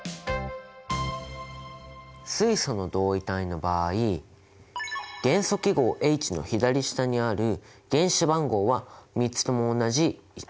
水素の同位体の場合元素記号Ｈの左下にある原子番号は３つとも同じ１。